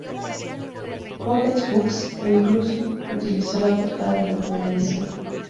Pocket Books incluso utilizó la portada de la primera edición.